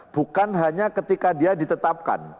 bukan hanya ketika dia ditetapkan